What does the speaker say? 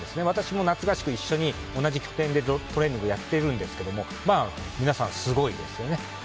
私も夏合宿、一緒に同じ拠点でトレーニングをやっているんですけど皆さん、すごいですよね